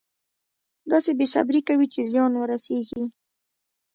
داسې بې صبري کوي چې زیان ورسېږي.